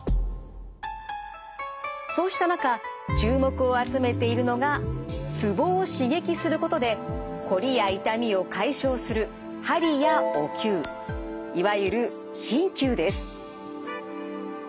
そうした中注目を集めているのがツボを刺激することでこりや痛みを解消する鍼やお灸いわゆる鍼灸です。